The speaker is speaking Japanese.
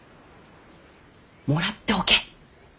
もらっておけ。